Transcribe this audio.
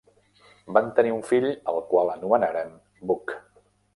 Van tenir un fill al qual anomenaren Buck.